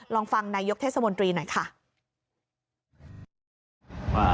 ลองฟังนายกเทศมนตรีหน่อยค่ะ